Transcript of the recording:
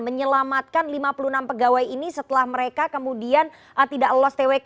menyelamatkan lima puluh enam pegawai ini setelah mereka kemudian tidak lolos twk